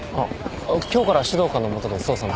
今日から指導官の下で捜査の。